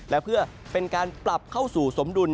และเพื่อเป็นการปรับเข้าสู่สมดุล